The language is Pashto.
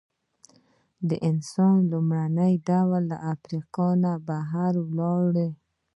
د انسان لومړنۍ ډلې له افریقا بهر ولاړې.